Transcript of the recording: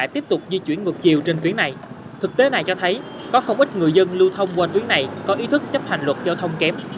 tiếp tục di chuyển ngược chiều trên tuyến này thực tế này cho thấy có không ít người dân lưu thông qua tuyến này có ý thức chấp hành luật giao thông kém